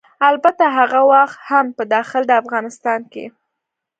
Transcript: البته هغه وخت هم په داخل د افغانستان کې